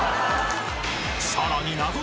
［さらに］